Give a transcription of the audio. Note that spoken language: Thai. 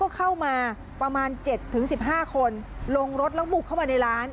เข้ามาประมาณ๗๑๕คนลงรถแล้วบุกเข้ามาในร้าน